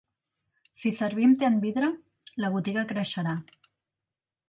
Si servim te en vidre, la botiga creixerà.